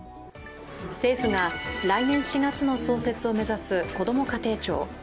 政府が来年４月の創設を目指すこども家庭庁。